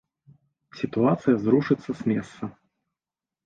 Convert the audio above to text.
Сітуацыя зрушыцца з месца.